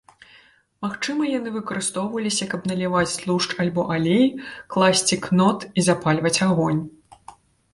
Магчыма яны выкарыстоўваліся, каб наліваць тлушч альбо алей, класці кнот і запальваць агонь.